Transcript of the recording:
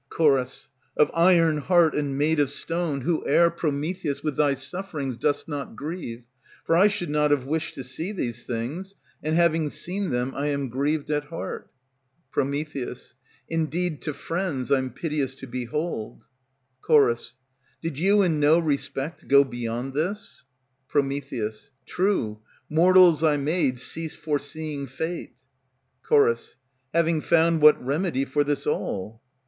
Ch. Of iron heart and made of stone, Whoe'er, Prometheus, with thy sufferings Does not grieve; for I should not have wished to see These things, and having seen them I am grieved at heart. Pr. Indeed to friends I'm piteous to behold. Ch. Did you in no respect go beyond this? Pr. True, mortals I made cease foreseeing fate. Ch. Having found what remedy for this all?